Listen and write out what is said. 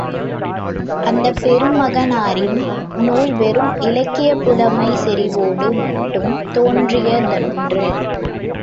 அந்தப் பெருமகனாரின் நூல் வெறும் இலக்கியப் புலமைச் செறிவோடு மட்டும் தோன்றியதன்று.